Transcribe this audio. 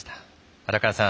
荒川さん